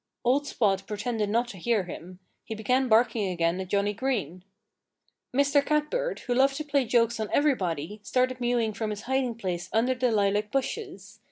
Old Spot pretended not to hear him. He began barking again at Johnnie Green. Mr. Catbird, who loved to play jokes on everybody, started mewing from his hiding place under the lilac bushes.